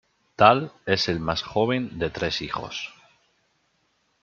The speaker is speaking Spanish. Dall es el más joven de tres hijos.